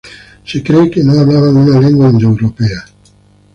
Se cree que no hablaban una lengua indoeuropea.